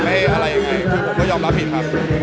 ผมยอมรับผิดจริงว่าเรื่องนี้ผมผิดเองเพราะผมพูดไม่ได้คิดตอนนั้น